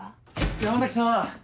山崎さん。